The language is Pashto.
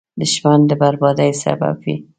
دښمن د بربادۍ سبب وي